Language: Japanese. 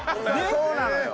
そうなのよ！